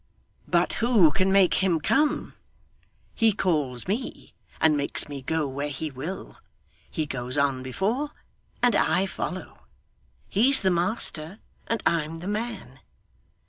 'But who can make him come! He calls me, and makes me go where he will. He goes on before, and I follow. He's the master, and I'm the man.